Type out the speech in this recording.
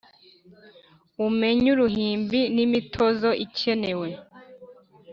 Umenye uruhimbi n’imitozo ikeye we